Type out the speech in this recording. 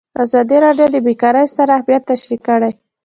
ازادي راډیو د بیکاري ستر اهميت تشریح کړی.